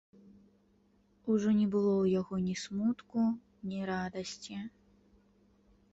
Ужо не было ў яго ні смутку, ні радасці.